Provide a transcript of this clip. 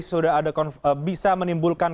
sudah ada bisa menimbulkan